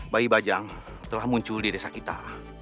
bayi bajang telah muncul di desa kita